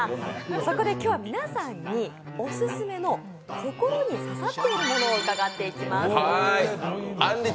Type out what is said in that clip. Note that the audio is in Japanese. そこで今日は皆さんにオススメの心に刺さっているものを聞いていきます。